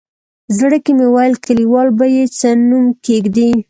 زړه کې مې ویل کلیوال به یې څه نوم کېږدي.